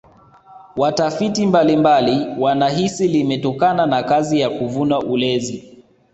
watafiti mbalimbali wanahisi limetokana na kazi ya kuvuna ulezi